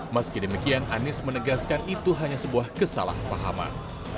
meski demikian anies menegaskan itu hanya sebuah kesalahpahaman